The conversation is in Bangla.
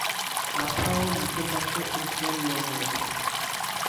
মাথা ও মুখের পাশে উজ্জ্বল লোম রয়েছে।